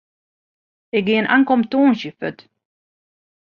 Ik gean ankom tongersdei fuort.